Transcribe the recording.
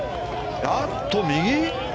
あっと、右？